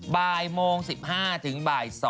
บ่ายโมง๑๕ถึงบ่าย๒